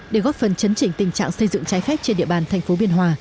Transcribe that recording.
để góp phần chấn chỉnh tình trạng xây dựng trái phép trên địa bàn thành phố biên hòa